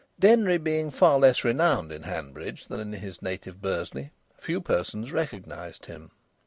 Denry being far less renowned in Hanbridge than in his native Bursley, few persons recognised him.